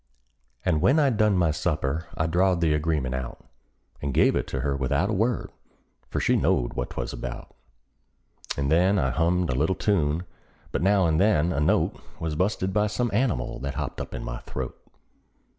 And when I'd done my supper I drawed the agreement out, And give it to her without a word, for she knowed what 'twas about; And then I hummed a little tune, but now and then a note Was bu'sted by some animal that hopped up in my throat.